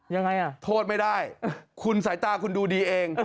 ยังไงอ่ะโทษไม่ได้คุณสายตาคุณดูดีเอง